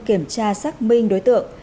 kiểm tra xác minh đối tượng